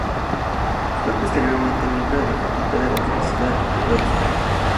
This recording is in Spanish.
Fue posteriormente miembro de la facultad en la Universidad de Oxford.